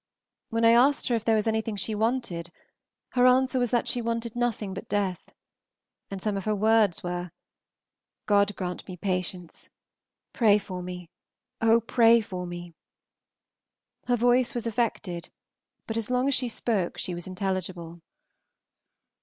When I asked her if there was anything she wanted, her answer was she wanted nothing but death, and some of her words were: "God grant me patience, pray for me, oh, pray for me!" Her voice was affected, but as long as she spoke she was intelligible.